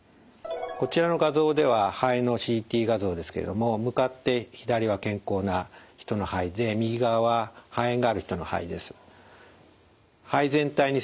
こちらの画像では肺のＣＴ画像ですけれども向かって左が健康な人の肺で右側は肺炎がある人の肺です。